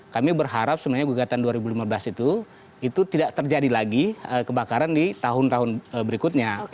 kami berharap sebenarnya gugatan dua ribu lima belas itu itu tidak terjadi lagi kebakaran di tahun tahun berikutnya